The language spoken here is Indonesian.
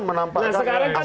nah sekarang kan jelas